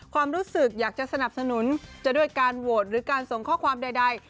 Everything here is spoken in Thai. ความรู้สึกอยากจะสนับสนุนจะด้วยการโหวตหรือการส่งข้อความใด